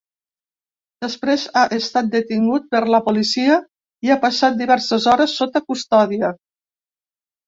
Després ha estat detingut per la policia i ha passat diverses hores sota custòdia.